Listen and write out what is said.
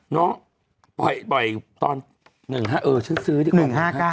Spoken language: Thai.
เนาะปล่อยปล่อยตอนหนึ่งห้าเออฉันซื้อดีกว่าหนึ่งห้าเก้า